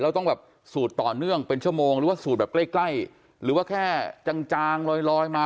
ต้องแบบสูดต่อเนื่องเป็นชั่วโมงหรือว่าสูดแบบใกล้ใกล้หรือว่าแค่จางจางลอยมา